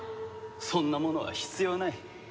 そんなものは必要ない。